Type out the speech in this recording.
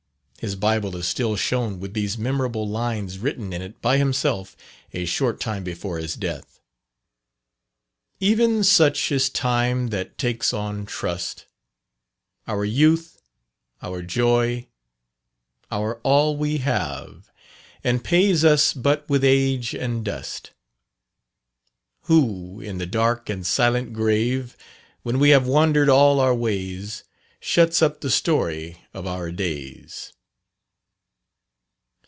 His Bible is still shown, with these memorable lines written in it by himself a short time before his death: "Even such is Time that takes on trust, Our youth, our joy, our all we have, And pays us but with age and dust; Who in the dark and silent grave, When we have wandered all our ways, Shuts up the story of our days."